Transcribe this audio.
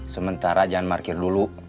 sementara jangan markir dulu